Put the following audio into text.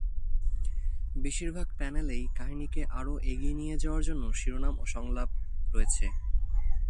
বেশির ভাগ প্যানেলেই কাহিনীকে আরও এগিয়ে নিয়ে যাওয়ার জন্য শিরোনাম ও সংলাপ রয়েছে।